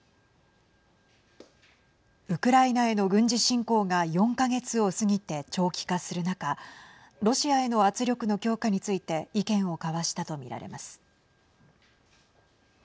ウクライナへの軍事侵攻が４か月を過ぎて長期化する中ロシアへの圧力の強化について意見を交わしたと見られます。